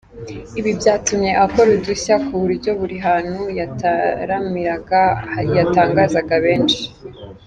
Ibi byatumye akora udushya ku buryo buri hantu yataramiraga yatangazaga benshi.